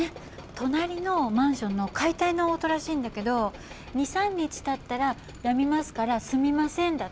隣のマンションの解体の音らしいんだけど「２３日たったらやみますからすみません」だって。